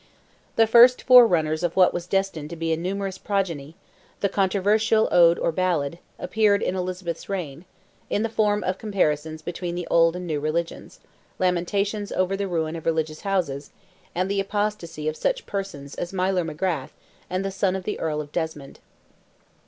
The first forerunners of what was destined to be a numerous progeny, the controversial ode or ballad, appeared in Elizabeth's reign, in the form of comparisons between the old and new religions, lamentations over the ruin of religious houses, and the apostacy of such persons as Miler Magrath and the son of the Earl of Desmond.